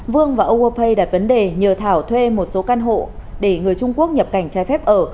vương và oguapay đặt vấn đề nhờ thảo thuê một số căn hộ để người trung quốc nhập cảnh trái phép ở